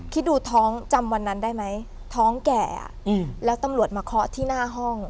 คิดดูท้องจำวันนั้นได้ไหมท้องแก่แล้วตำรวจมาเคาะที่หน้าห้อง